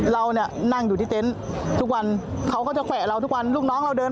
ตัดด้วยเลยขาย๑๕๐เลย